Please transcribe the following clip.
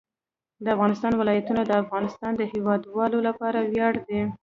د افغانستان ولايتونه د افغانستان د هیوادوالو لپاره ویاړ دی.